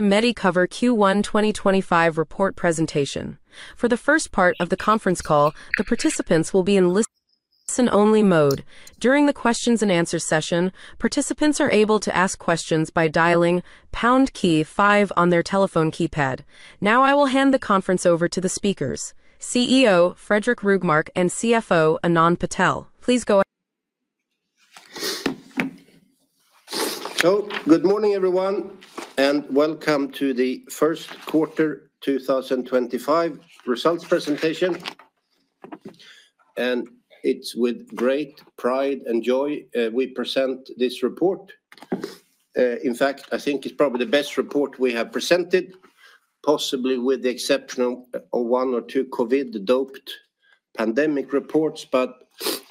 The Medicover Q1 2025 report presentation. For the first part of the conference call, the participants will be in listen-only mode. During the questions-and-answers session, participants are able to ask questions by dialing pound five on their telephone keypad. Now I will hand the conference over to the speakers: CEO Fredrik Rågmark and CFO Anand Patel. Please go ahead. Good morning, everyone, and welcome to the first quarter 2025 results presentation. It is with great pride and joy we present this report. In fact, I think it is probably the best report we have presented, possibly with the exception of one or two COVID-doped pandemic reports.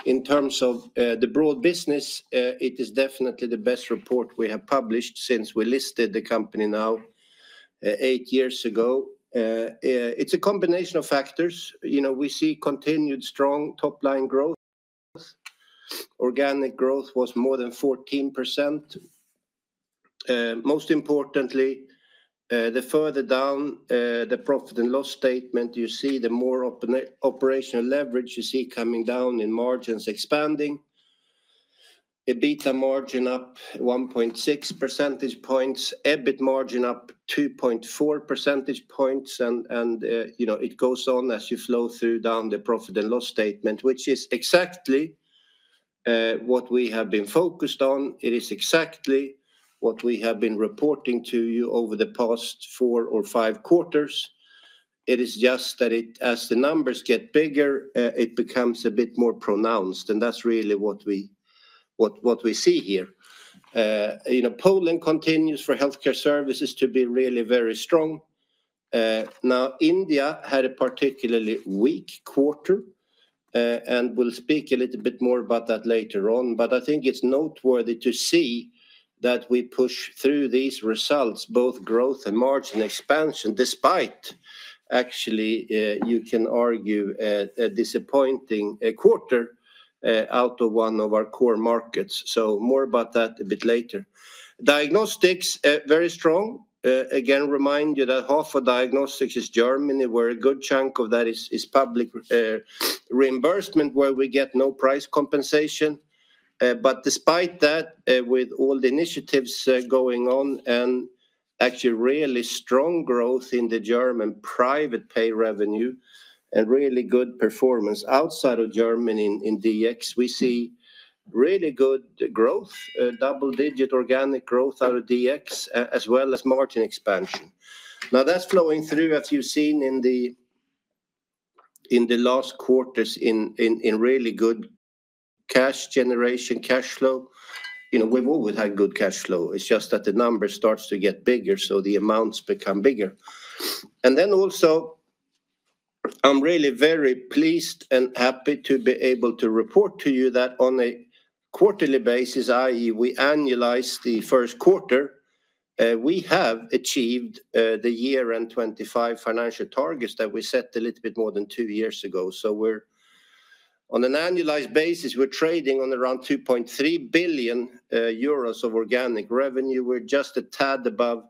In terms of the broad business, it is definitely the best report we have published since we listed the company now eight years ago. It is a combination of factors. You know, we see continued strong top-line growth. Organic growth was more than 14%. Most importantly, the further down the profit and loss statement you see, the more operational leverage you see coming down in margins expanding. EBITDA margin up 1.6 percentage points, EBIT margin up 2.4 percentage points. You know, it goes on as you flow through down the profit and loss statement, which is exactly what we have been focused on. It is exactly what we have been reporting to you over the past four or five quarters. It is just that as the numbers get bigger, it becomes a bit more pronounced. That is really what we see here. You know, Poland continues for healthcare services to be really very strong. Now, India had a particularly weak quarter, and we will speak a little bit more about that later on. I think it is noteworthy to see that we push through these results, both growth and margin expansion, despite actually, you can argue, a disappointing quarter out of one of our core markets. More about that a bit later. Diagnostics, very strong. Again, remind you that half of diagnostics is Germany, where a good chunk of that is public reimbursement, where we get no price compensation. Despite that, with all the initiatives going on and actually really strong growth in the German private pay revenue and really good performance outside of Germany in DX, we see really good growth, double-digit organic growth out of DX, as well as margin expansion. Now, that is flowing through, as you have seen in the last quarters, in really good cash generation, cash flow. You know, we have always had good cash flow. It is just that the number starts to get bigger, so the amounts become bigger. I am really very pleased and happy to be able to report to you that on a quarterly basis, i.e., we annualize the first quarter, we have achieved the year-end 2025 financial targets that we set a little bit more than two years ago. We are, on an annualized basis, trading on around 2.3 billion euros of organic revenue. We are just a tad above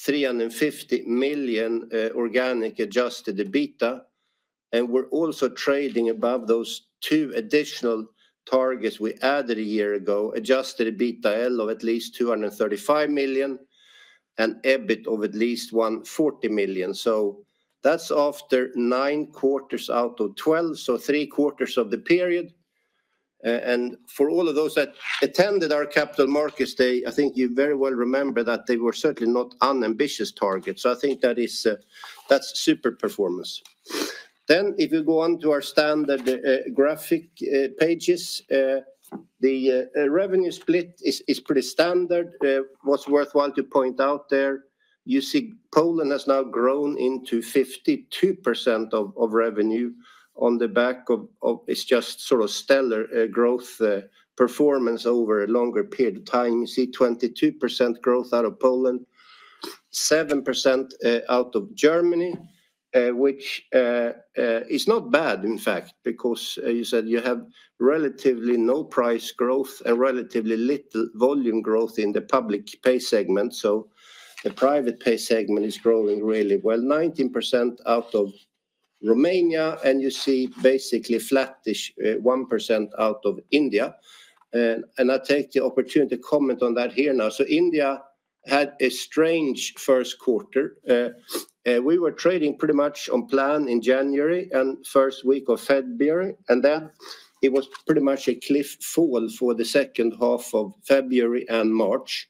350 million organic adjusted EBITDA. We are also trading above those two additional targets we added a year ago, adjusted EBITDA L of at least 235 million and EBIT of at least 140 million. That is after nine quarters out of twelve, so three quarters of the period. For all of those that attended our capital markets day, I think you very well remember that they were certainly not unambitious targets. I think that is, that is super performance. If you go on to our standard graphic pages, the revenue split is pretty standard. What's worthwhile to point out there, you see Poland has now grown into 52% of revenue on the back of, it's just sort of stellar growth performance over a longer period of time. You see 22% growth out of Poland, 7% out of Germany, which is not bad, in fact, because you said you have relatively no price growth and relatively little volume growth in the public pay segment. The private pay segment is growing really well, 19% out of Romania. You see basically flattish 1% out of India. I take the opportunity to comment on that here now. India had a strange first quarter. We were trading pretty much on plan in January and first week of February. It was pretty much a cliff fall for the second half of February and March.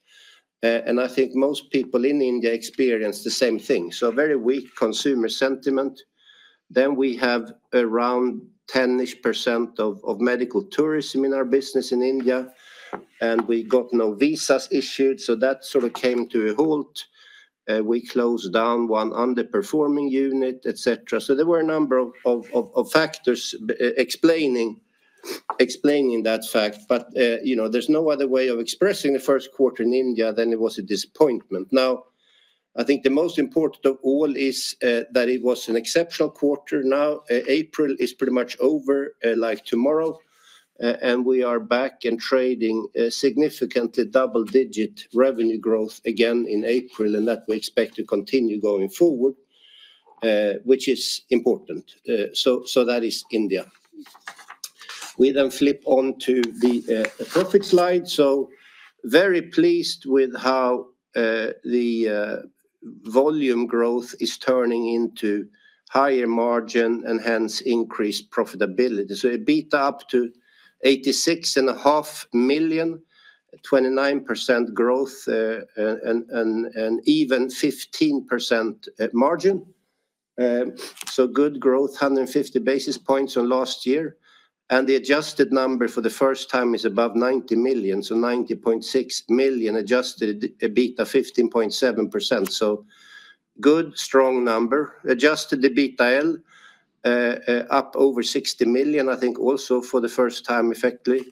I think most people in India experienced the same thing. Very weak consumer sentiment. We have around 10% of medical tourism in our business in India. We got no visas issued. That sort of came to a halt. We closed down one underperforming unit, et cetera. There were a number of factors explaining that fact. You know, there is no other way of expressing the first quarter in India than it was a disappointment. I think the most important of all is that it was an exceptional quarter. April is pretty much over like tomorrow. We are back and trading significantly double-digit revenue growth again in April. We expect that to continue going forward, which is important. That is India. We then flip on to the profit slide. Very pleased with how the volume growth is turning into higher margin and hence increased profitability. EBITDA up to 86.5 million, 29% growth, and even 15% margin. Good growth, 150 basis points on last year. The adjusted number for the first time is above 90 million. 90.6 million adjusted EBITDA, 15.7%. Good, strong number. Adjusted EBITDA L up over 60 million, I think also for the first time, effectively.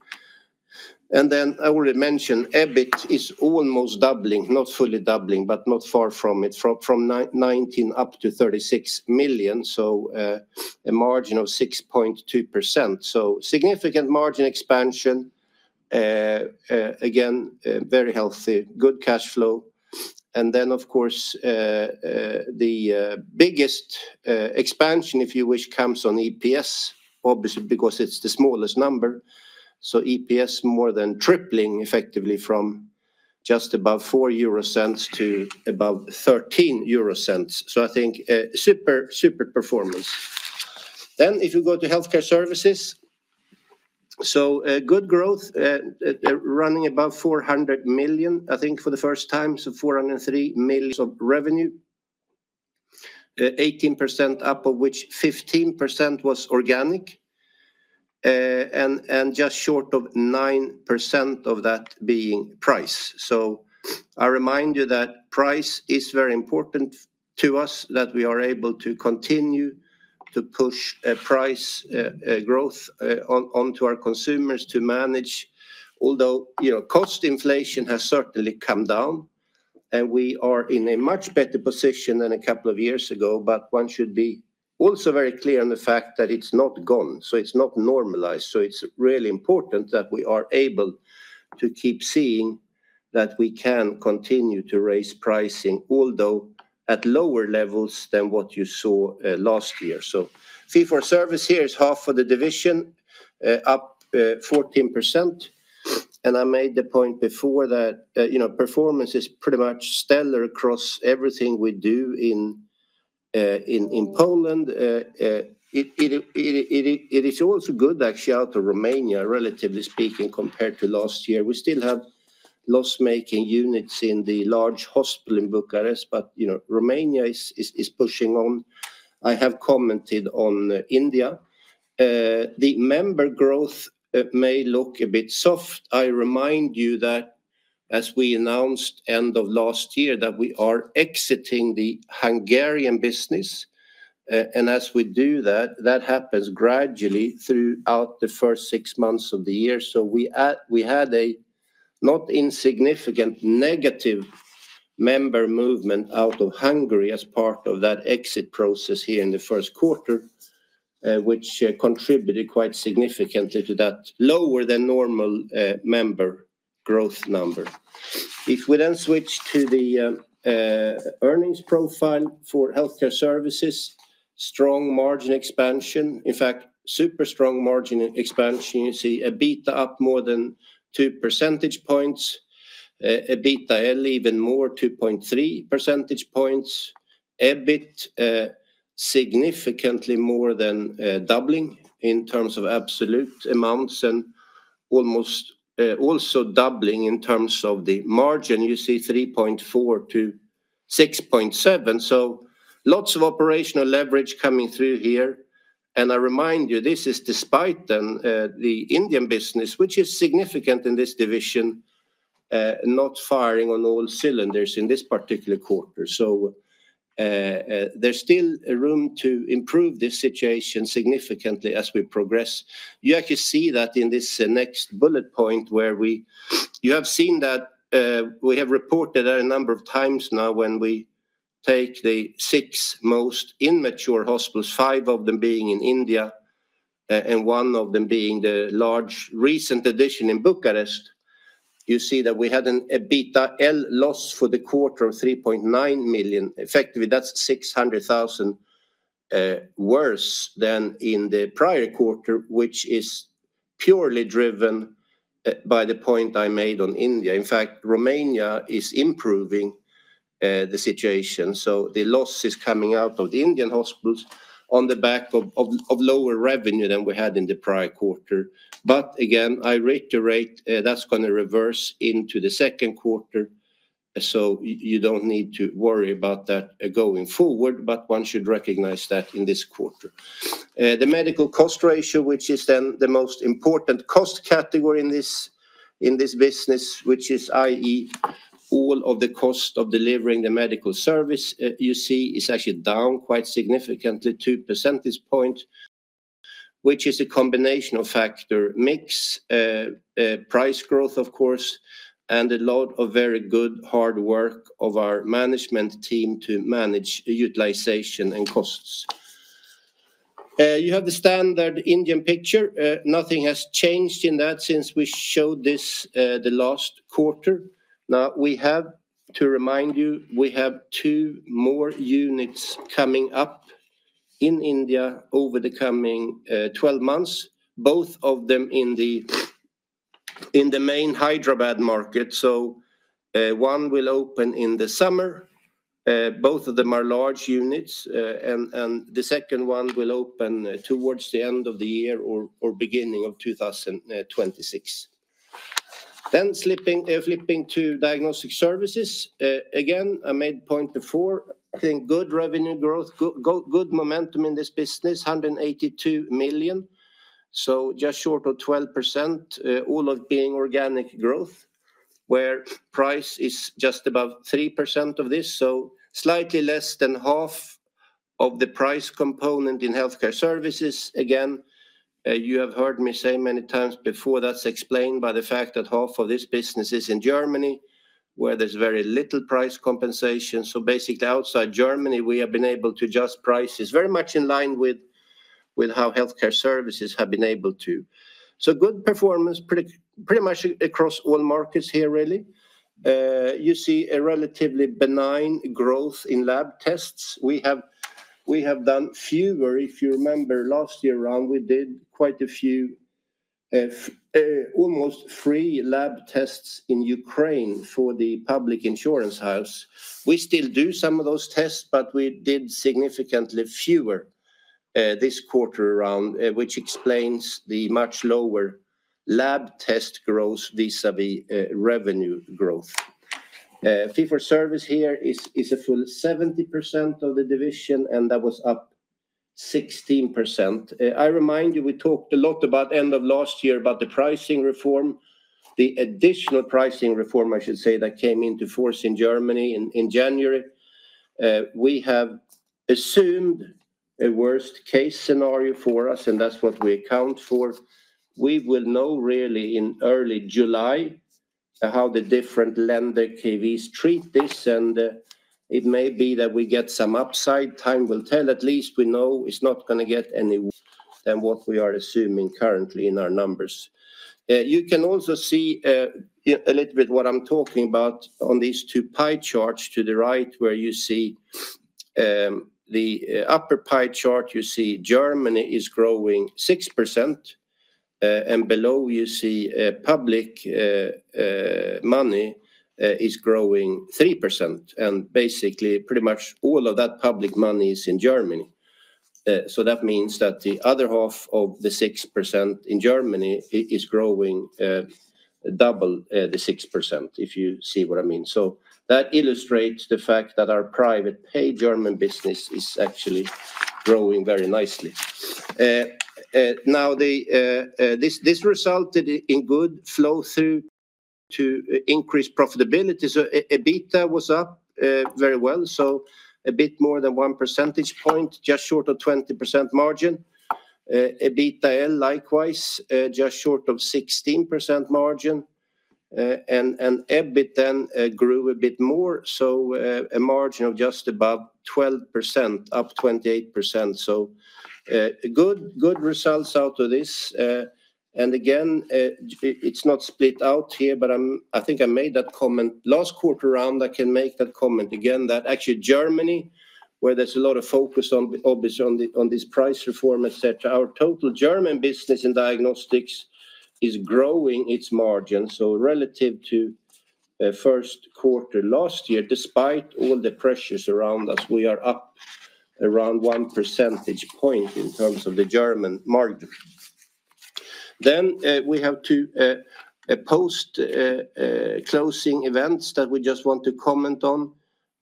I already mentioned EBIT is almost doubling, not fully doubling, but not far from it, from 19 million up to 36 million. A margin of 6.2%. Significant margin expansion. Again, very healthy, good cash flow. Of course, the biggest expansion, if you wish, comes on EPS, obviously, because it is the smallest number. EPS more than tripling, effectively, from just above 4 euro to above 13 euro. I think super, super performance. If you go to healthcare services, good growth, running above 400 million, I think for the first time, so 403 million of revenue, 18% up, of which 15% was organic, and just short of 9% of that being price. I remind you that price is very important to us, that we are able to continue to push price growth onto our consumers to manage. Although, you know, cost inflation has certainly come down, and we are in a much better position than a couple of years ago. One should be also very clear on the fact that it's not gone. It's not normalized. It is really important that we are able to keep seeing that we can continue to raise pricing, although at lower levels than what you saw last year. Fee for service here is half of the division, up 14%. I made the point before that, you know, performance is pretty much stellar across everything we do in Poland. It is also good, actually, out of Romania, relatively speaking, compared to last year. We still have loss-making units in the large hospital in Bucharest, but, you know, Romania is pushing on. I have commented on India. The member growth may look a bit soft. I remind you that, as we announced end of last year, we are exiting the Hungarian business. As we do that, that happens gradually throughout the first six months of the year. We had a not insignificant negative member movement out of Hungary as part of that exit process here in the first quarter, which contributed quite significantly to that lower than normal member growth number. If we then switch to the earnings profile for healthcare services, strong margin expansion, in fact, super strong margin expansion. You see EBITDA up more than 2 percentage points. EBITDA L even more, 2.3 percentage points. EBIT significantly more than doubling in terms of absolute amounts and almost also doubling in terms of the margin. You see 3.4 to 6.7. Lots of operational leverage coming through here. I remind you, this is despite the Indian business, which is significant in this division, not firing on all cylinders in this particular quarter. There is still room to improve this situation significantly as we progress. You actually see that in this next bullet point where we have seen that we have reported a number of times now when we take the six most immature hospitals, five of them being in India and one of them being the large recent addition in Bucharest, you see that we had an EBITDA L loss for the quarter of 3.9 million. Effectively, that's 600,000 worse than in the prior quarter, which is purely driven by the point I made on India. In fact, Romania is improving the situation. The loss is coming out of the Indian hospitals on the back of lower revenue than we had in the prior quarter. Again, I reiterate, that's going to reverse into the second quarter. You do not need to worry about that going forward. One should recognize that in this quarter. The medical cost ratio, which is then the most important cost category in this business, which is i.e., all of the cost of delivering the medical service, you see is actually down quite significantly, 2 percentage points, which is a combination of factor mix, price growth, of course, and a lot of very good hard work of our management team to manage utilization and costs. You have the standard Indian picture. Nothing has changed in that since we showed this the last quarter. Now, we have, to remind you, we have two more units coming up in India over the coming 12 months, both of them in the main Hyderabad market. One will open in the summer. Both of them are large units. The second one will open towards the end of the year or beginning of 2026. Slipping to diagnostic services. Again, I made point before, I think good revenue growth, good momentum in this business, 182 million. Just short of 12%, all of being organic growth, where price is just above 3% of this. Slightly less than half of the price component in healthcare services. Again, you have heard me say many times before that is explained by the fact that half of this business is in Germany, where there is very little price compensation. Basically, outside Germany, we have been able to adjust prices very much in line with how healthcare services have been able to. Good performance pretty much across all markets here, really. You see a relatively benign growth in lab tests. We have done fewer. If you remember, last year around, we did quite a few, almost three million lab tests in Ukraine for the public insurance house. We still do some of those tests, but we did significantly fewer this quarter around, which explains the much lower lab test growth vis-à-vis revenue growth. Fee for service here is a full 70% of the division, and that was up 16%. I remind you, we talked a lot about end of last year about the pricing reform, the additional pricing reform, I should say, that came into force in Germany in January. We have assumed a worst-case scenario for us, and that's what we account for. We will know really in early July how the different Länder KVs treat this. It may be that we get some upside. Time will tell. At least we know it's not going to get any worse than what we are assuming currently in our numbers. You can also see a little bit what I'm talking about on these two pie charts to the right, where you see the upper pie chart, you see Germany is growing 6%. Below, you see public money is growing 3%. Basically, pretty much all of that public money is in Germany. That means that the other half of the 6% in Germany is growing double the 6%, if you see what I mean. That illustrates the fact that our private pay German business is actually growing very nicely. This resulted in good flow through to increased profitability. EBITDA was up very well, a bit more than 1 percentage point, just short of 20% margin. EBITDA L likewise, just short of 16% margin. EBIT then grew a bit more, a margin of just above 12%, up 28%. Good results out of this. Again, it's not split out here, but I think I made that comment last quarter round. I can make that comment again, that actually Germany, where there's a lot of focus on, obviously, on this price reform, et cetera, our total German business in diagnostics is growing its margin. Relative to first quarter last year, despite all the pressures around us, we are up around 1 percentage point in terms of the German margin. We have two post-closing events that we just want to comment on.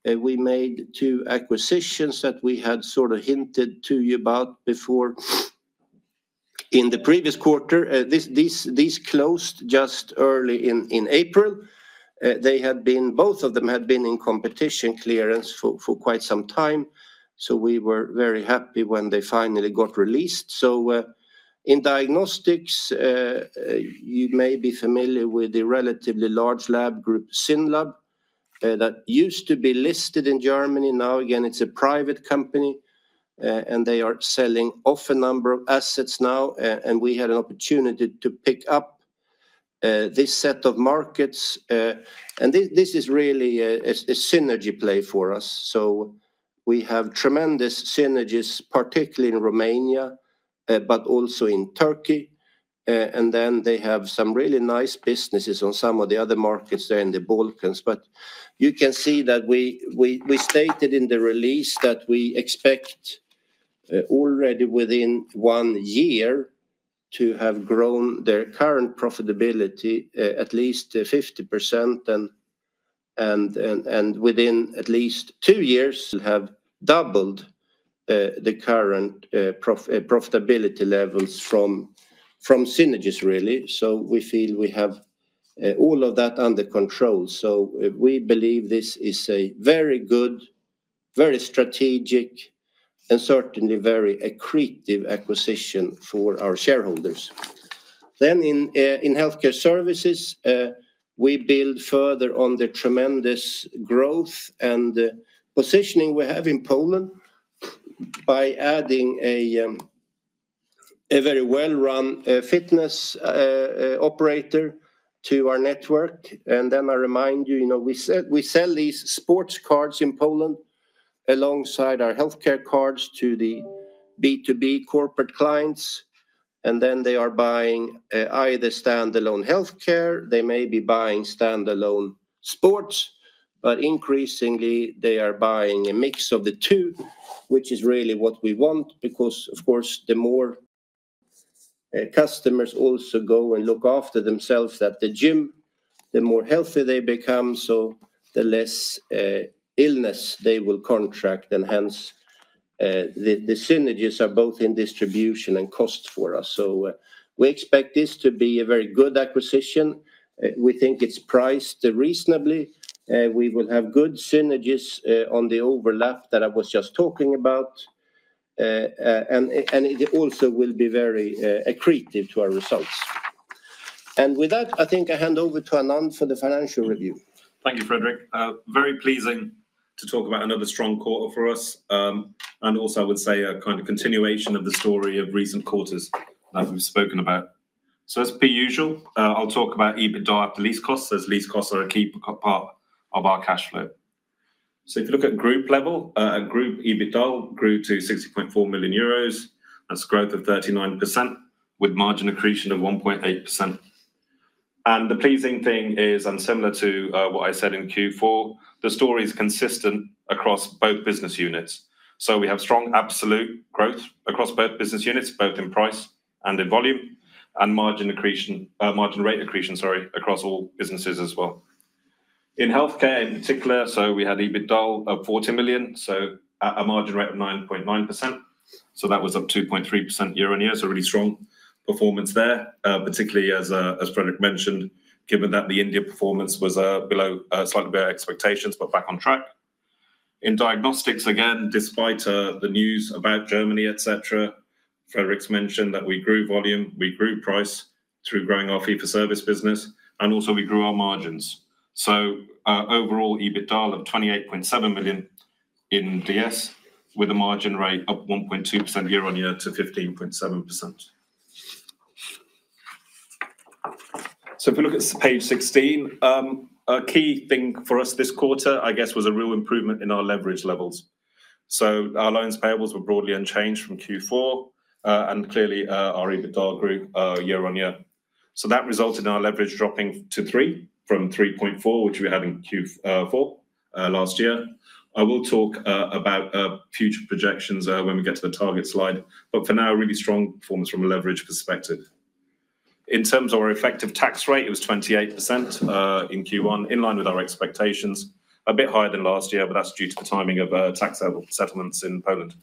We made two acquisitions that we had sort of hinted to you about before in the previous quarter. These closed just early in April. They had been, both of them, in competition clearance for quite some time. We were very happy when they finally got released. In diagnostics, you may be familiar with the relatively large lab group Synlab that used to be listed in Germany. Now, again, it is a private company, and they are selling off a number of assets now. We had an opportunity to pick up this set of markets. This is really a synergy play for us. We have tremendous synergies, particularly in Romania, but also in Turkey. They have some really nice businesses in some of the other markets there in the Balkans. You can see that we stated in the release that we expect already within one year to have grown their current profitability at least 50% and within at least two years to have doubled the current profitability levels from synergies, really. We feel we have all of that under control. We believe this is a very good, very strategic, and certainly very accretive acquisition for our shareholders. In healthcare services, we build further on the tremendous growth and positioning we have in Poland by adding a very well-run fitness operator to our network. I remind you, you know, we sell these sports cards in Poland alongside our healthcare cards to the B2B corporate clients. They are buying either standalone healthcare. They may be buying standalone sports, but increasingly they are buying a mix of the two, which is really what we want. Because, of course, the more customers also go and look after themselves at the gym, the more healthy they become, so the less illness they will contract. Hence, the synergies are both in distribution and cost for us. We expect this to be a very good acquisition. We think it's priced reasonably. We will have good synergies on the overlap that I was just talking about. It also will be very accretive to our results. With that, I think I hand over to Anand for the financial review. Thank you, Fredrik. Very pleasing to talk about another strong quarter for us. I would say a kind of continuation of the story of recent quarters that we've spoken about. As per usual, I'll talk about EBITDA after lease costs, as lease costs are a key part of our cash flow. If you look at group level, group EBITDA grew to 60.4 million euros. That's a growth of 39% with margin accretion of 1.8%. The pleasing thing is, and similar to what I said in Q4, the story is consistent across both business units. We have strong absolute growth across both business units, both in price and in volume, and margin accretion, margin rate accretion, sorry, across all businesses as well. In healthcare in particular, we had EBITDA of 40 million, so a margin rate of 9.9%. That was up 2.3% year-on-year. Really strong performance there, particularly as Fredrik mentioned, given that the India performance was below slightly better expectations, but back on track. In diagnostics, again, despite the news about Germany, et cetera, Fredrik's mentioned that we grew volume, we grew price through growing our fee for service business, and also we grew our margins. Overall EBITDA of 28.7 million in DS, with a margin rate up 1.2% year on year to 15.7%. If we look at page 16, a key thing for us this quarter, I guess, was a real improvement in our leverage levels. Our loans payables were broadly unchanged from Q4, and clearly our EBITDA grew year-on-year. That resulted in our leverage dropping to 3 from 3.4, which we had in Q4 last year. I will talk about future projections when we get to the target slide. For now, really strong performance from a leverage perspective. In terms of our effective tax rate, it was 28% in Q1, in line with our expectations, a bit higher than last year, but that's due to the timing of tax settlements in Poland.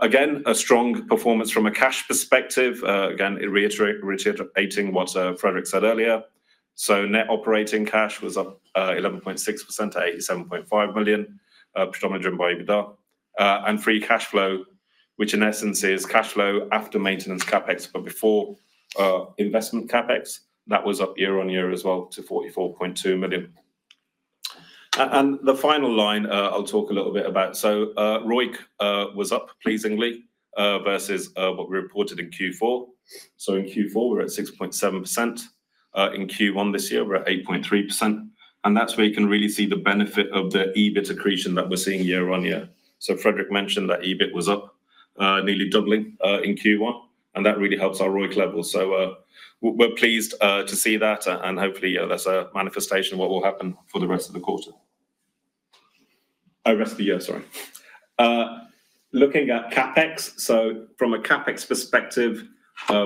Again, a strong performance from a cash perspective, reiterating what Fredrik said earlier. Net operating cash was up 11.6% to 87.5 million, predominantly driven by EBITDA. Free cash flow, which in essence is cash flow after maintenance CapEx, but before investment CapEx, was up year-on-year as well to 44.2 million. The final line I'll talk a little bit about. ROIC was up pleasingly versus what we reported in Q4. In Q4, we were at 6.7%. In Q1 this year, we were at 8.3%. That is where you can really see the benefit of the EBIT accretion that we are seeing year-on-year. Fredrik mentioned that EBIT was up nearly doubling in Q1. That really helps our ROIC levels. We are pleased to see that. Hopefully, that is a manifestation of what will happen for the rest of the quarter, the rest of the year, sorry. Looking at CapEx, from a CapEx perspective,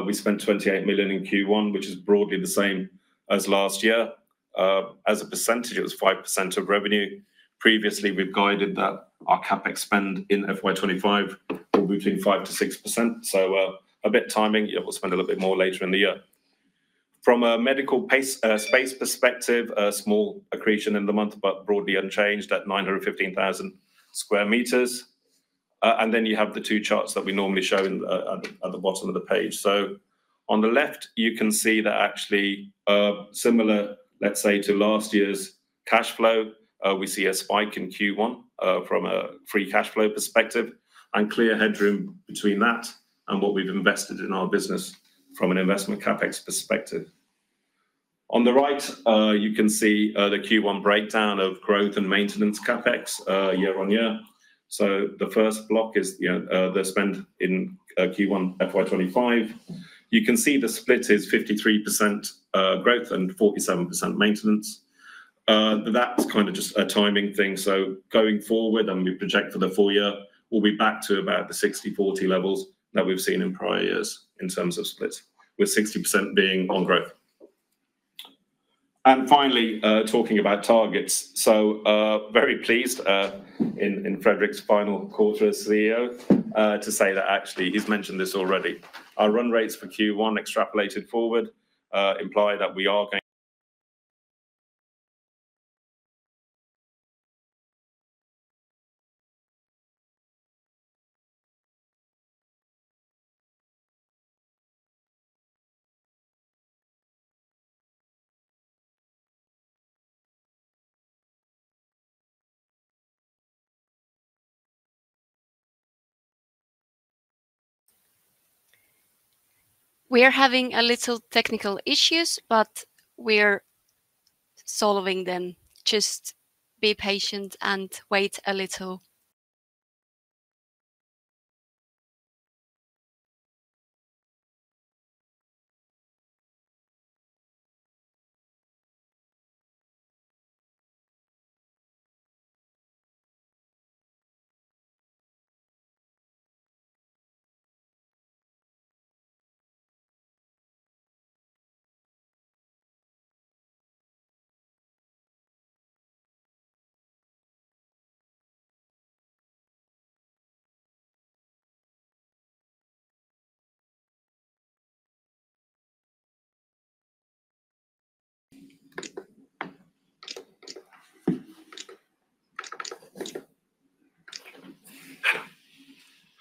we spent 28 million in Q1, which is broadly the same as last year. As a percentage, it was 5% of revenue. Previously, we've guided that our CapEx spend in FY2025 will be between 5%-6%. A bit of timing, we'll spend a little bit more later in the year. From a medical space perspective, a small accretion in the month, but broadly unchanged at 915,000 square meeters. You have the two charts that we normally show at the bottom of the page. On the left, you can see that actually similar, let's say, to last year's cash flow, we see a spike in Q1 from a free cash flow perspective and clear headroom between that and what we've invested in our business from an investment CapEx perspective. On the right, you can see the Q1 breakdown of growth and maintenance CapEx year-on- year. The first block is the spend in Q1 FY2025. You can see the split is 53% growth and 47% maintenance. That's kind of just a timing thing. Going forward, and we project for the full year, we'll be back to about the 60-40 levels that we've seen in prior years in terms of splits, with 60% being on growth. Finally, talking about targets, very pleased in Fredrik's final quarter as CEO to say that actually he's mentioned this already. Our run rates for Q1 extrapolated forward imply that we are going to. We are having a little technical issues, but we're solving them. Just be patient and wait a little.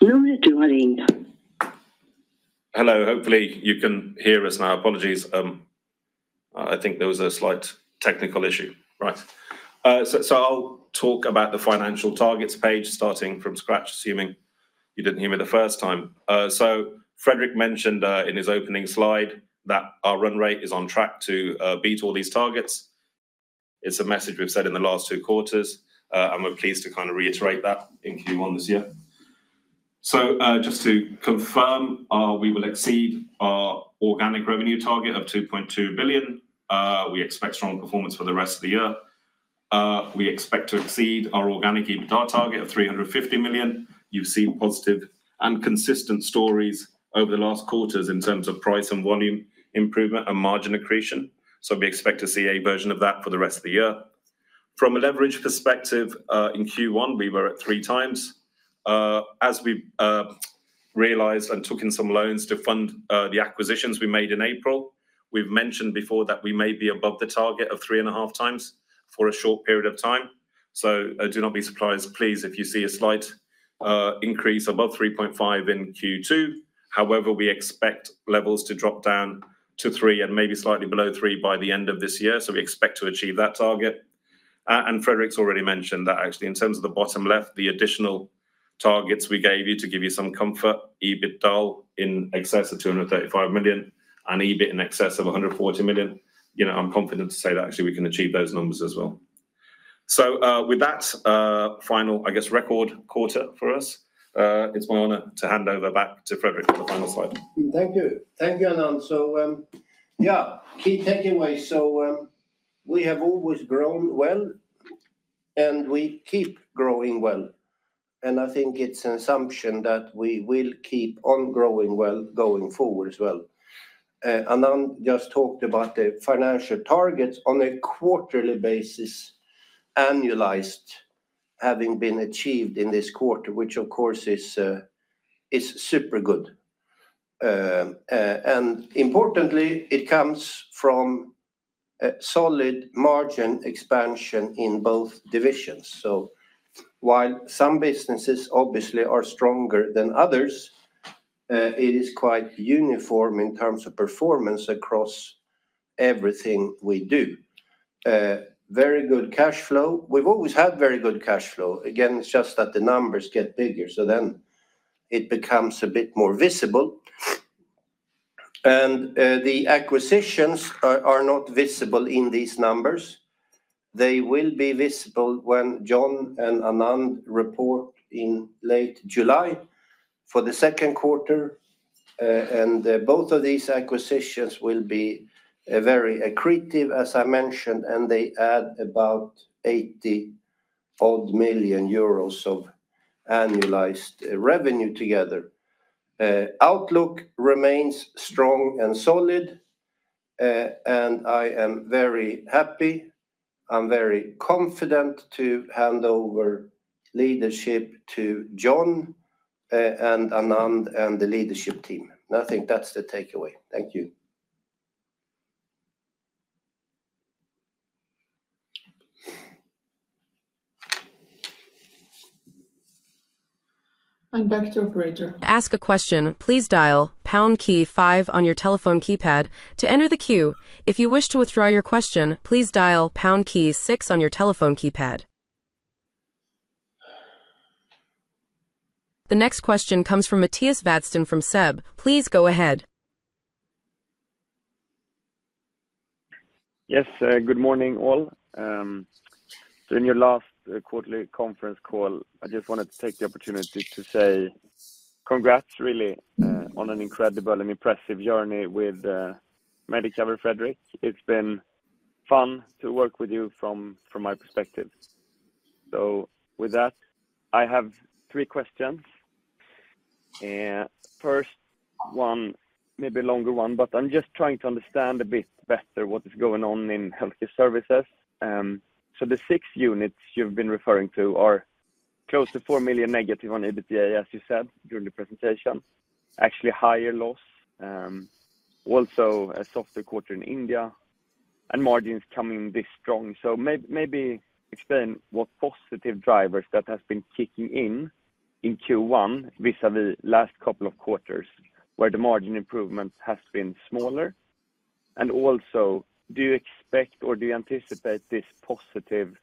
Hello, hello. Hopefully, you can hear us now. Apologies. I think there was a slight technical issue. Right. I'll talk about the financial targets page starting from scratch, assuming you didn't hear me the first time. Fredrik mentioned in his opening slide that our run rate is on track to beat all these targets. It's a message we've said in the last two quarters, and we're pleased to kind of reiterate that in Q1 this year. Just to confirm, we will exceed our organic revenue target of 2.2 billion. We expect strong performance for the rest of the year. We expect to exceed our organic EBITDA target of 350 million. You've seen positive and consistent stories over the last quarters in terms of price and volume improvement and margin accretion. We expect to see a version of that for the rest of the year. From a leverage perspective, in Q1, we were at 3x. As we realized and took in some loans to fund the acquisitions we made in April, we've mentioned before that we may be above the target of 3.5 times for a short period of time. Do not be surprised, please, if you see a slight increase above 3.5 in Q2. However, we expect levels to drop down to 3 and maybe slightly below 3 by the end of this year. We expect to achieve that target. Fredrik's already mentioned that actually, in terms of the bottom left, the additional targets we gave you to give you some comfort, EBITDA in excess of 235 million and EBIT in excess of 140 million. I'm confident to say that actually we can achieve those numbers as well. With that final, I guess, record quarter for us, it's my honor to hand over back to Fredrik for the final slide. Thank you. Thank you, Anand. Key takeaways. We have always grown well, and we keep growing well. I think it's an assumption that we will keep on growing well going forward as well. Anand just talked about the financial targets on a quarterly basis, annualized, having been achieved in this quarter, which of course is super good. Importantly, it comes from a solid margin expansion in both divisions. While some businesses obviously are stronger than others, it is quite uniform in terms of performance across everything we do. Very good cash flow. We've always had very good cash flow. Again, it's just that the numbers get bigger. It becomes a bit more visible. The acquisitions are not visible in these numbers. They will be visible when John and Anand report in late July for the second quarter. Both of these acquisitions will be very accretive, as I mentioned, and they add about 80 million euros of annualized revenue together. Outlook remains strong and solid, and I am very happy. I'm very confident to hand over leadership to John and Anand and the leadership team. I think that's the takeaway. Thank you. Back to operator. To ask a question, please dial pound key five on your telephone keypad to enter the queue. If you wish to withdraw your question, please dial pound key six on your telephone keypad. The next question comes from Matthias Vadsten from SEB. Please go ahead. Yes, good morning all. In your last quarterly conference call, I just wanted to take the opportunity to say congrats, really, on an incredible and impressive journey with Medicover, Fredrik. It's been fun to work with you from my perspective. With that, I have three questions. First one, maybe a longer one, but I'm just trying to understand a bit better what is going on in healthcare services. The six units you've been referring to are close to 4 million negative on EBITDA, as you said during the presentation. Actually, higher loss. Also a softer quarter in India. And margins coming this strong. Maybe explain what positive drivers that have been kicking in in Q1, vis-à-vis last couple of quarters, where the margin improvement has been smaller. Also, do you expect or do you anticipate this positive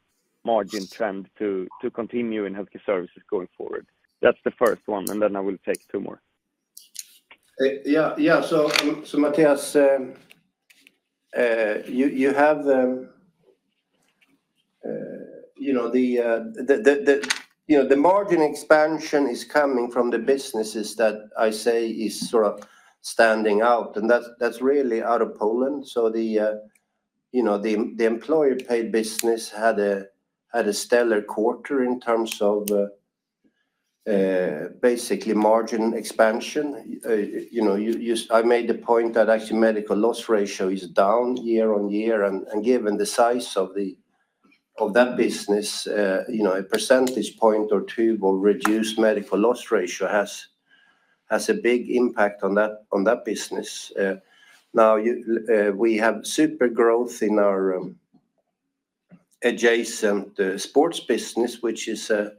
margin trend to continue in healthcare services going forward? That's the first one, and then I will take two more. Yeah, so Matthias, you have the margin expansion is coming from the businesses that I say is sort of standing out. That's really out of Poland. The employer-paid business had a stellar quarter in terms of basically margin expansion. I made the point that actually medical loss ratio is down year on year. Given the size of that business, a percentage point or two will reduce medical loss ratio, has a big impact on that business. Now, we have super growth in our adjacent sports business, which is a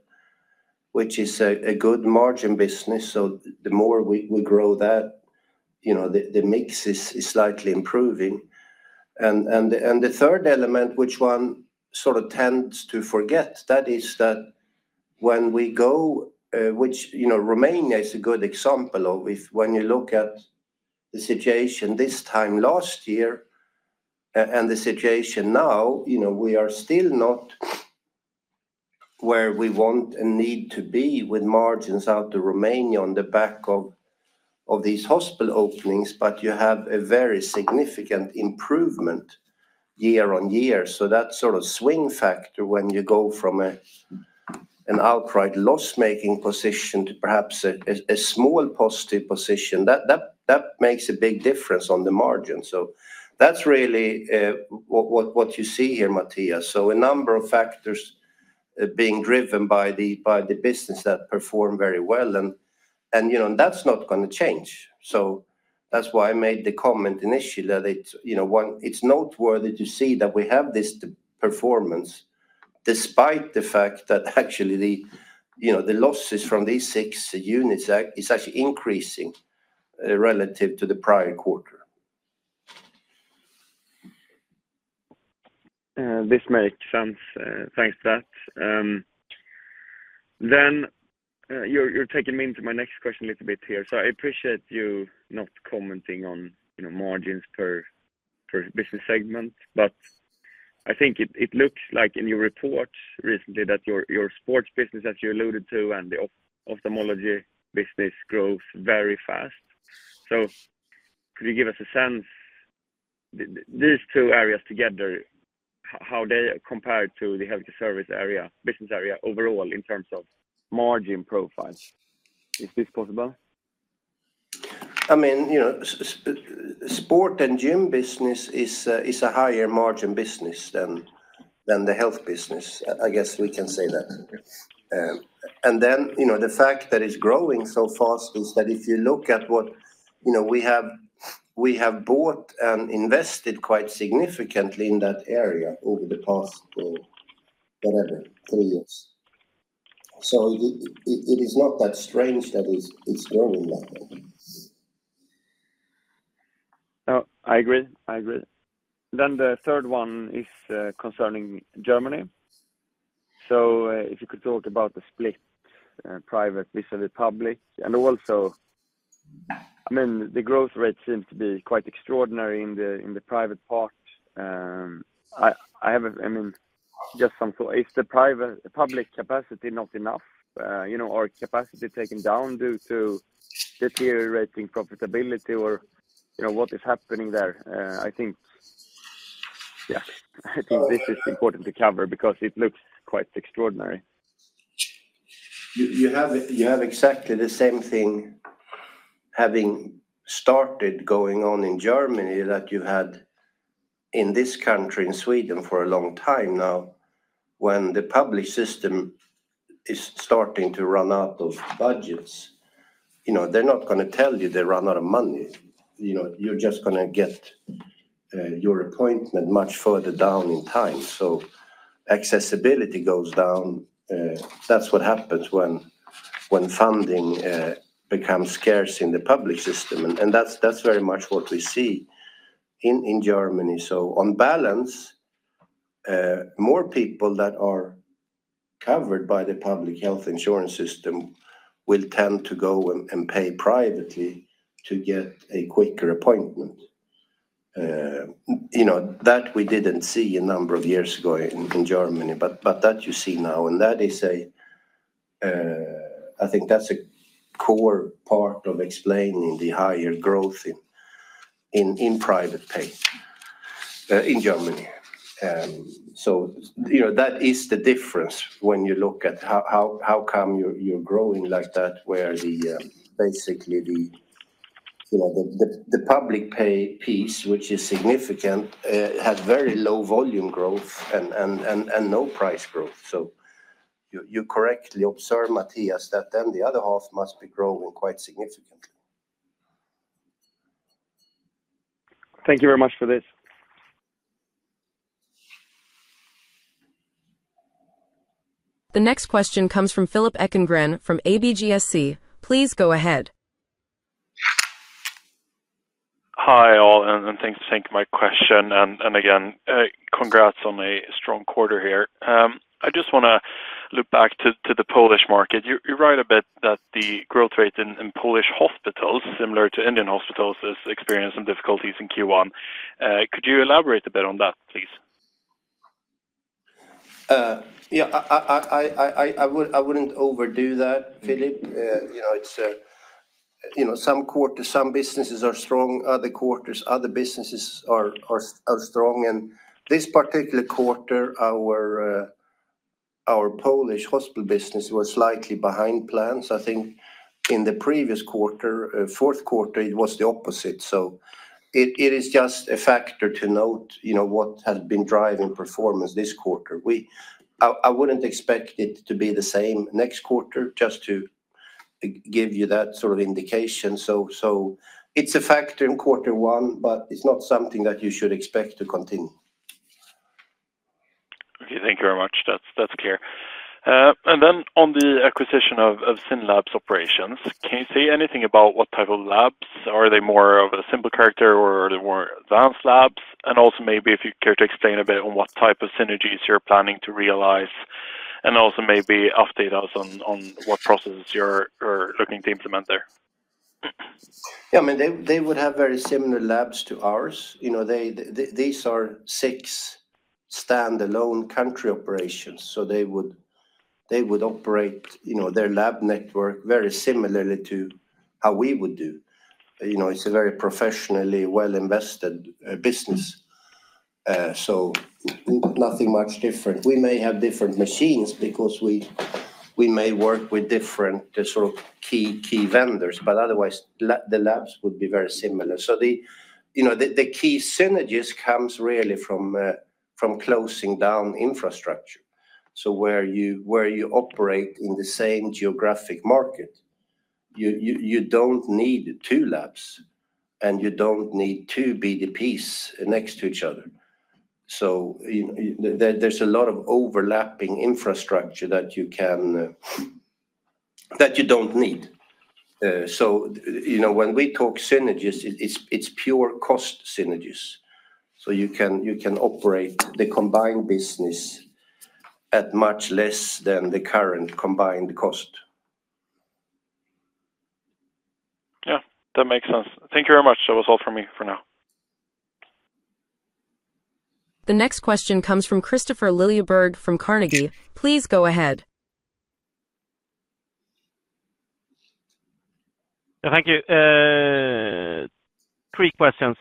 good margin business. The more we grow that, the mix is slightly improving. The third element, which one sort of tends to forget, is that when we go, which Romania is a good example of, when you look at the situation this time last year and the situation now, we are still not where we want and need to be with margins out to Romania on the back of these hospital openings, but you have a very significant improvement year-on-year. That sort of swing factor when you go from an outright loss-making position to perhaps a small positive position, that makes a big difference on the margin. That is really what you see here, Matthias. A number of factors are being driven by the business that perform very well. That is not going to change. That is why I made the comment initially that it is noteworthy to see that we have this performance despite the fact that actually the losses from these six units are actually increasing relative to the prior quarter. This makes sense. Thanks for that. You are taking me into my next question a little bit here. I appreciate you not commenting on margins per business segment, but I think it looks like in your reports recently that your sports business, as you alluded to, and the ophthalmology business grow very fast. Could you give us a sense, these two areas together, how they compare to the healthcare service business area overall in terms of margin profile? Is this possible? I mean, sport and gym business is a higher margin business than the health business. I guess we can say that. The fact that it is growing so fast is that if you look at what we have bought and invested quite significantly in that area over the past, whatever, three years. It is not that strange that it is growing that way. I agree. I agree. The third one is concerning Germany. If you could talk about the split private vis-à-vis public. Also, I mean, the growth rate seems to be quite extraordinary in the private part. I mean, just some thought, is the public capacity not enough or capacity taken down due to deteriorating profitability or what is happening there? I think this is important to cover because it looks quite extraordinary. You have exactly the same thing having started going on in Germany that you had in this country, in Sweden for a long time now. When the public system is starting to run out of budgets, they're not going to tell you they run out of money. You're just going to get your appointment much further down in time. Accessibility goes down. That's what happens when funding becomes scarce in the public system. That is very much what we see in Germany. On balance, more people that are covered by the public health insurance system will tend to go and pay privately to get a quicker appointment. We did not see that a number of years ago in Germany, but you see that now. I think that's a core part of explaining the higher growth in private pay in Germany. That is the difference when you look at how come you're growing like that, where basically the public pay piece, which is significant, has very low volume growth and no price growth. You correctly observe, Matthias, that then the other half must be growing quite significantly. Thank you very much for this. The next question comes from Philip Ekengren from ABGSC. Please go ahead. Hi all, and thanks for taking my question. Again, congrats on a strong quarter here. I just want to loop back to the Polish market. You write a bit that the growth rate in Polish hospitals, similar to Indian hospitals, is experiencing difficulties in Q1. Could you elaborate a bit on that, please? Yeah, I wouldn't overdo that, Philip. Some quarters, some businesses are strong, other quarters, other businesses are strong. This particular quarter, our Polish hospital business was slightly behind plans. I think in the previous quarter, fourth quarter, it was the opposite. It is just a factor to note what has been driving performance this quarter. I would not expect it to be the same next quarter, just to give you that sort of indication. It is a factor in quarter one, but it is not something that you should expect to continue. Okay, thank you very much. That is clear. On the acquisition of Synlab's operations, can you say anything about what type of labs? Are they more of a simple character or are they more advanced labs? Also, maybe if you care to explain a bit on what type of synergies you are planning to realize and also maybe update us on what processes you are looking to implement there? Yeah, I mean, they would have very similar labs to ours. These are six standalone country operations. They would operate their lab network very similarly to how we would do. It's a very professionally well-invested business. Nothing much different. We may have different machines because we may work with different sort of key vendors, but otherwise, the labs would be very similar. The key synergies come really from closing down infrastructure. Where you operate in the same geographic market, you don't need two labs and you don't need two BDPs next to each other. There's a lot of overlapping infrastructure that you don't need. When we talk synergies, it's pure cost synergies. You can operate the combined business at much less than the current combined cost. Yeah, that makes sense. Thank you very much. That was all for me for now. The next question comes from Christopher Liljeberg from Carnegie. Please go ahead. Thank you. Three questions.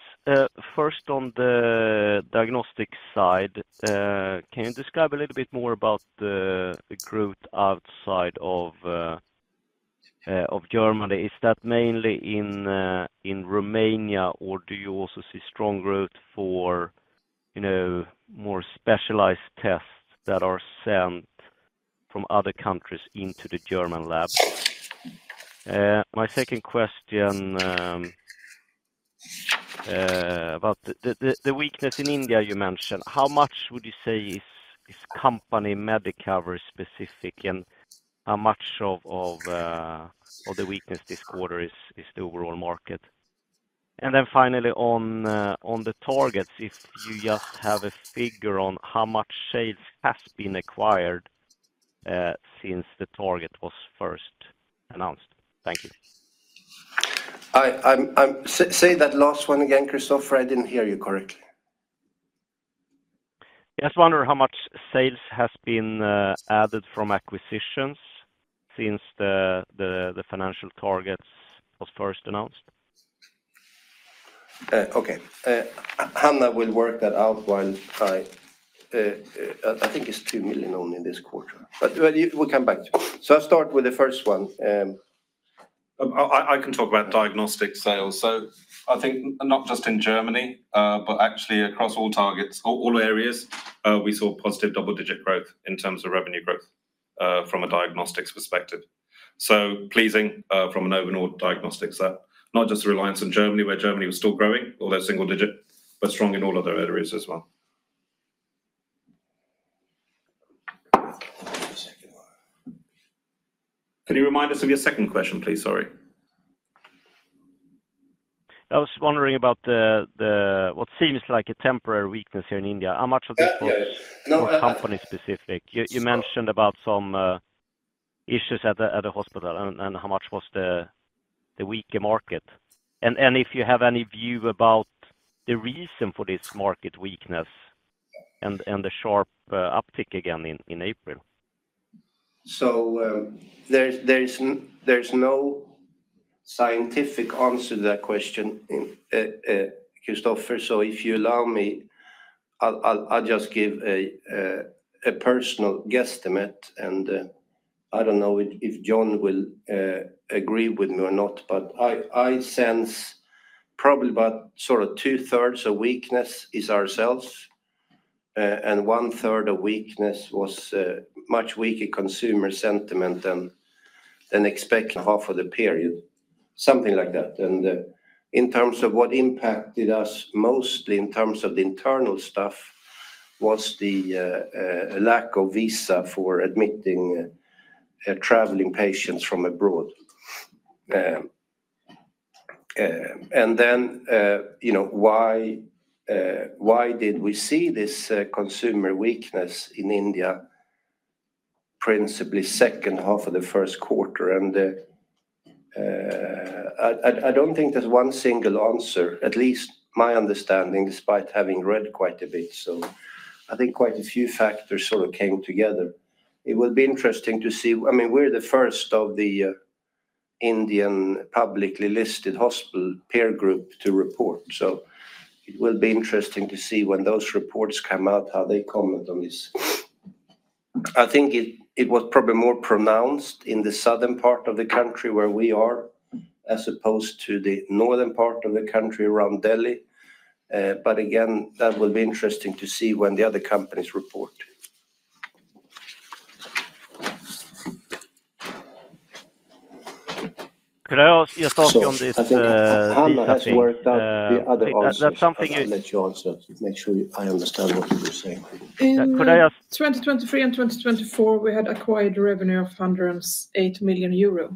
First, on the diagnostic side, can you describe a little bit more about the growth outside of Germany? Is that mainly in Romania, or do you also see strong growth for more specialized tests that are sent from other countries into the German labs? My second question about the weakness in India you mentioned, how much would you say is company Medicover specific, and how much of the weakness this quarter is the overall market? And then finally, on the targets, if you just have a figure on how much sales has been acquired since the target was first announced. Thank you. Say that last one again, Christopher. I did not hear you correctly. Yes, I wonder how much sales has been added from acquisitions since the financial targets were first announced? Okay. Hanna will work that out while I think it is 2 million only this quarter. We will come back to it. I will start with the first one. I can talk about diagnostic sales. I think not just in Germany, but actually across all targets, all areas, we saw positive double-digit growth in terms of revenue growth from a diagnostics perspective. Pleasing from an overall diagnostic set, not just a reliance on Germany, where Germany was still growing, although single-digit, but strong in all other areas as well. Can you remind us of your second question, please? Sorry. I was wondering about what seems like a temporary weakness here in India. How much of this was company-specific? You mentioned about some issues at the hospital and how much was the weaker market. If you have any view about the reason for this market weakness and the sharp uptick again in April, there is no scientific answer to that question, Christopher. If you allow me, I'll just give a personal guesstimate. I don't know if John will agree with me or not, but I sense probably about two-thirds of weakness is ourselves, and one-third of weakness was much weaker consumer sentiment than expected half of the period, something like that. In terms of what impacted us mostly in terms of the internal stuff was the lack of visa for admitting traveling patients from abroad. Why did we see this consumer weakness in India principally second half of the first quarter? I don't think there's one single answer, at least my understanding, despite having read quite a bit. I think quite a few factors sort of came together. It would be interesting to see. I mean, we're the first of the Indian publicly listed hospital peer group to report. It will be interesting to see when those reports come out, how they comment on this. I think it was probably more pronounced in the southern part of the country where we are, as opposed to the northern part of the country around Delhi. Again, that will be interesting to see when the other companies report. Could I ask you something on this? Hanna has worked out the other answer. That's something you let your answer to make sure I understand what you were saying. Could I ask? In 2023 and 2024, we had acquired revenue of 108 million euro.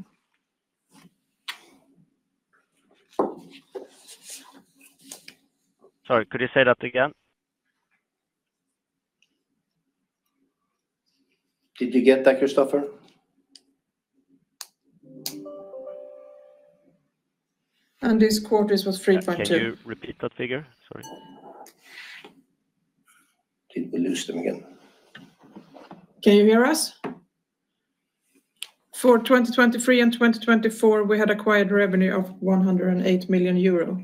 Sorry, could you say that again? Did you get that, Christopher? This quarter was 3.2. Can you repeat that figure? Sorry. Did we lose them again? Can you hear us? For 2023 and 2024, we had acquired revenue of 108 million euro.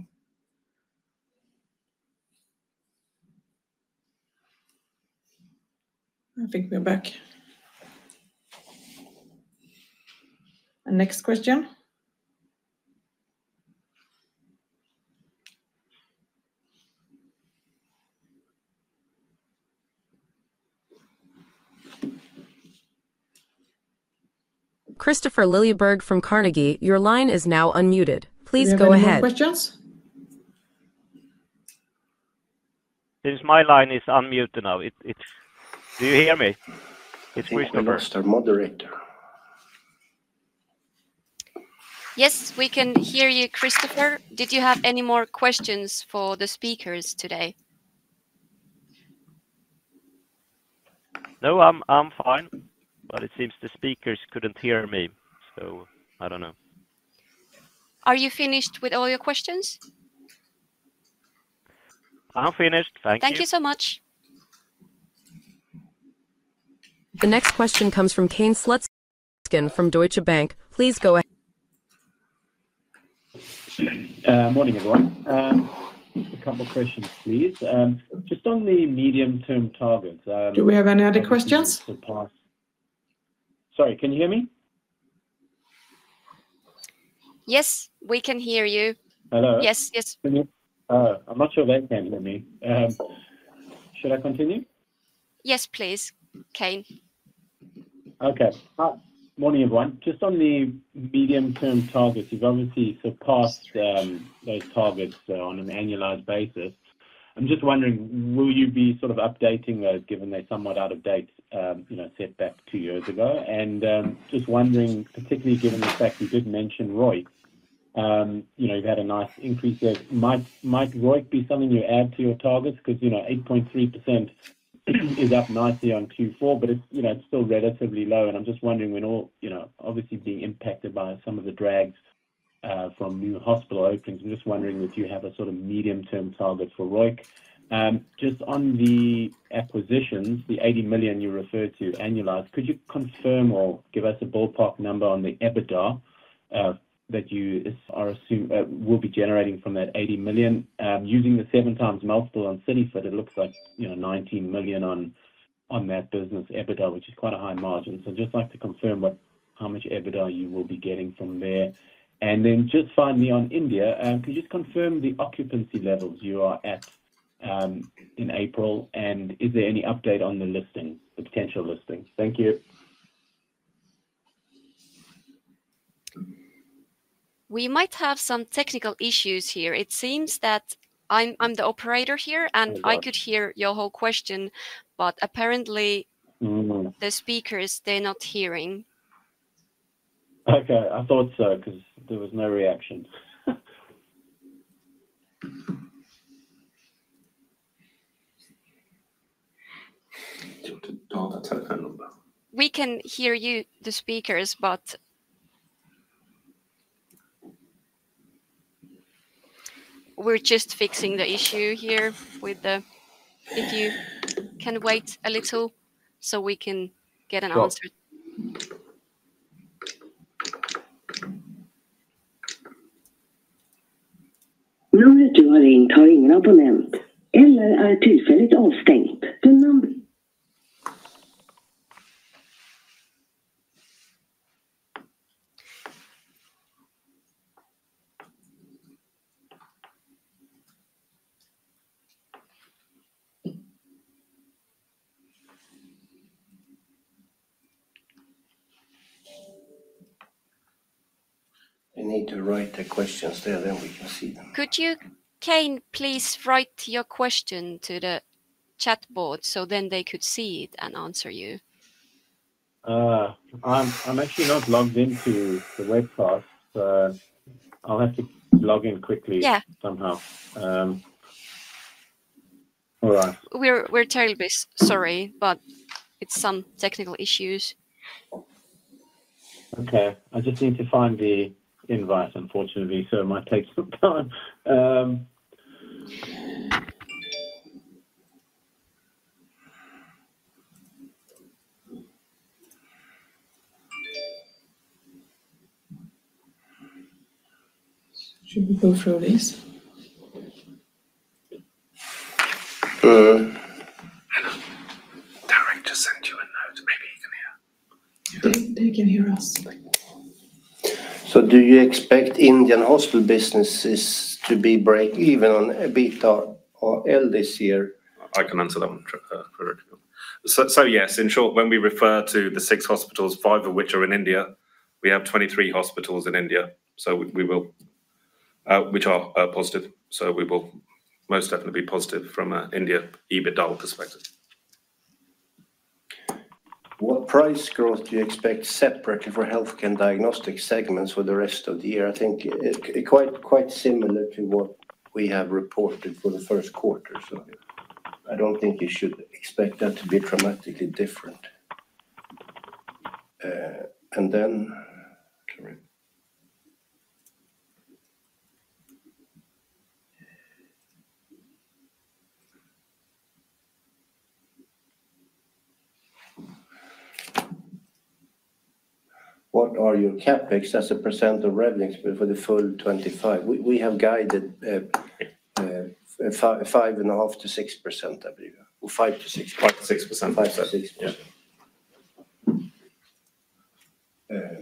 I think we're back. Next question. Christopher Liljeberg from Carnegie, your line is now unmuted. Please go ahead. Questions? My line is unmuted now. Do you hear me? It's Christopher. Mr. Moderator. Yes, we can hear you, Christopher. Did you have any more questions for the speakers today? No, I'm fine. It seems the speakers couldn't hear me. I don't know. Are you finished with all your questions? I'm finished. Thank you. Thank you so much. The next question comes from Kane Slutzkin from Deutsche Bank. Please go ahead. Morning, everyone. A couple of questions, please. Just on the medium-term targets. Do we have any other questions? Sorry, can you hear me? Yes, we can hear you. Hello? Yes, yes. I'm not sure they can hear me. Should I continue? Yes, please, Kane. Okay. Morning, everyone. Just on the medium-term targets, you've obviously surpassed those targets on an annualized basis. I'm just wondering, will you be sort of updating those given they're somewhat out of date set back two years ago? I'm just wondering, particularly given the fact you did mention ROIC, you've had a nice increase there. Might ROIC be something you add to your targets? Because 8.3% is up nicely on Q4, but it's still relatively low. I'm just wondering, obviously being impacted by some of the drags from new hospital openings, I'm just wondering if you have a sort of medium-term target for ROIC? Just on the acquisitions, the 80 million you referred to annualized, could you confirm or give us a ballpark number on the EBITDA that you are assuming will be generating from that 80 million? Using the seven times multiple on Synlab, it looks like 19 million on that business EBITDA, which is quite a high margin. Just like to confirm how much EBITDA you will be getting from there. Finally on India, can you just confirm the occupancy levels you are at in April? Is there any update on the listing, the potential listing? Thank you. We might have some technical issues here. It seems that I'm the operator here, and I could hear your whole question, but apparently the speakers, they're not hearing. I thought so because there was no reaction. We can hear you, the speakers, but we're just fixing the issue here with the... If you can wait a little so we can get an answer. Numret du har ringt har ingen abonnemang. Eller är det tillfälligt avstängt? We need to write the questions there, then we can see them. Could you, Kane, please write your question to the chatboard so then they could see it and answer you? I'm actually not logged into the webcast, so I'll have to log in quickly somehow. All right. We're terribly sorry, but it's some technical issues. Okay. I just need to find the invite, unfortunately, so it might take some time. Should we go through this? I don't know. Darren just sent you a note. Maybe you can hear. They can hear us. Do you expect Indian hospital businesses to be break even on EBITDA or L this year? I can answer that one directly. Yes, in short, when we refer to the six hospitals, five of which are in India, we have 23 hospitals in India, which are positive. We will most definitely be positive from an India EBITDA perspective. What price growth do you expect separately for healthcare and diagnostic segments for the rest of the year? I think quite similar to what we have reported for the first quarter. I do not think you should expect that to be dramatically different. What are your CapEx as a percent of revenues for the full 2025? We have guided 5-6%, I believe. Or 5-6. 5-6%. 5-6%.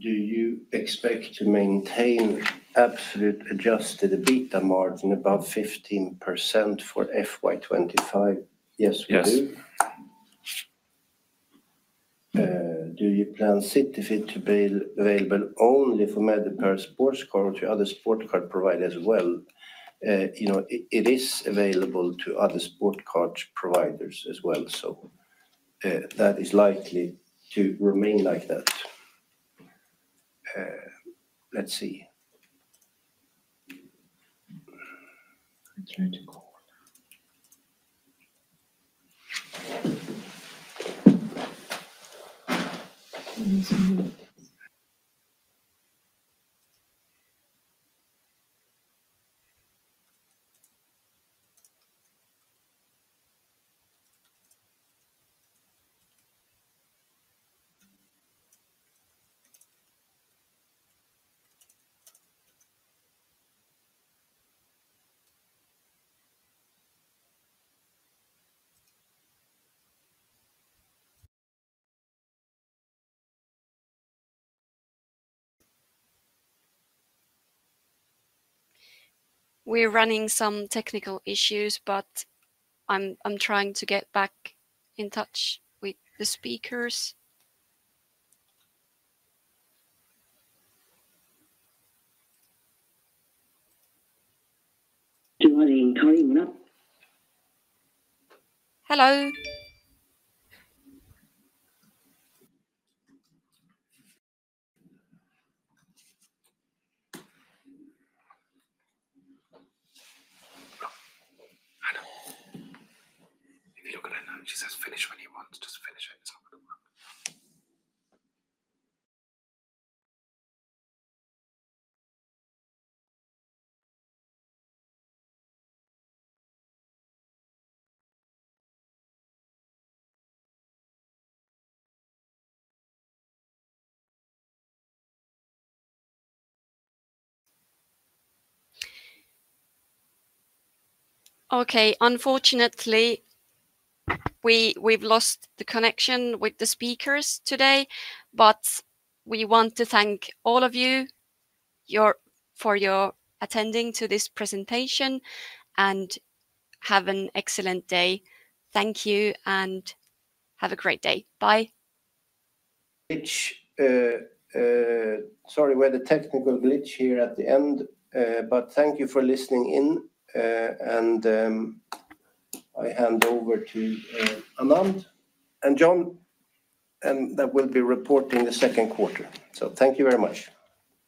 Do you expect to maintain absolute adjusted EBITDA margin above 15% for FY2025? Yes, we do. Do you plan Sittlift to be available only for Medicover sports card or to other sports card providers as well? It is available to other sports card providers as well. That is likely to remain like that. Let's see. We're running some technical issues, but I'm trying to get back in touch with the speakers. Do you want to hear me now? Hello. If you look at it now, he says finish when he wants. Just finish it. It's not going to work. Okay. Unfortunately, we've lost the connection with the speakers today, but we want to thank all of you for your attending to this presentation and have an excellent day. Thank you and have a great day. Bye. Sorry, we had a technical glitch here at the end, but thank you for listening in. I hand over to Anand and John, and that will be reporting the second quarter. Thank you very much.